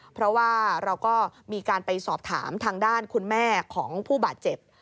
เพราะว่าเราก็มีการไปสอบถามทางด้านคุณแม่ของผู้บาดเจ็บ